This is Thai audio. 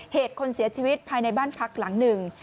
เหตุคนเสียชีวิตภายในบ้านพักหลังหนึ่ง